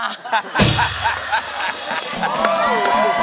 ฮ่า